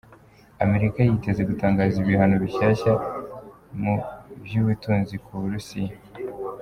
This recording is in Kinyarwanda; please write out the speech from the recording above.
Amerika yiteze gutangaza ibihano bishasha mu vy'ubutunzi ku Burusiya.